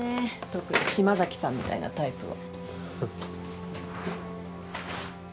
特に島崎さんみたいなタイプは。